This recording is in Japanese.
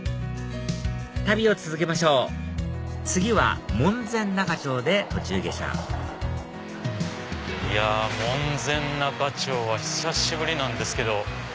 旅を続けましょう次は門前仲町で途中下車いや門前仲町は久しぶりなんですけど。